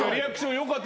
良かった？